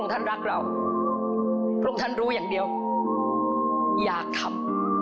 ของท่านได้เสด็จเข้ามาอยู่ในความทรงจำของคน๖๗๐ล้านคนค่ะทุกท่าน